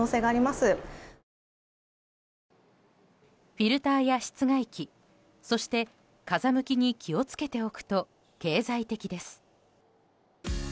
フィルターや室外機そして風向きに気を付けておくと経済的です。